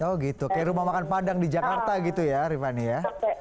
oh gitu kayak rumah makan padang di jakarta gitu ya rifani ya